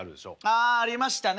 ああありましたね。